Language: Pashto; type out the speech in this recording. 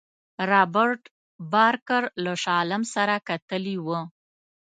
رابرټ بارکر له شاه عالم سره کتلي وه.